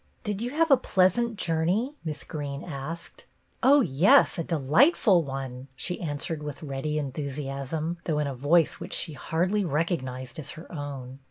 " Did you have a pleasant journey? " Miss Greene asked. " Oh, yes, a delightful one," she answered with ready enthusiasm, though in a voice which she hardly recognized as her own.